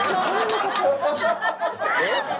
えっ？